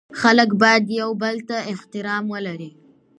خلګ باید یوبل ته احترام ولري